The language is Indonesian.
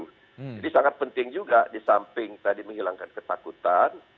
jadi sangat penting juga disamping tadi menghilangkan ketakutan